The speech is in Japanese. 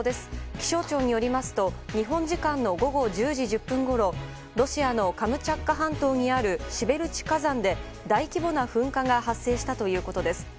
気象庁によりますと日本時間の午後１０時１０分ごろロシアのカムチャツカ半島にあるシベルチ火山で大規模な噴火が発生したということです。